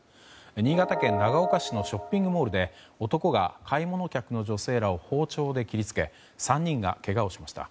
新潟県長岡市のショッピングモールで男が買い物客の女性らを包丁で切りつけ３人がけがをしました。